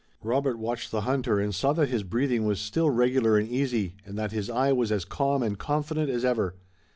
Robert watched the hunter and saw that his breathing was still regular and easy, and that his eye was as calm and confident as ever.